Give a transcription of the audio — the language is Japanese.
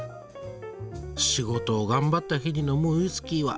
仕事を頑張った日に飲むウイスキーは最高やな。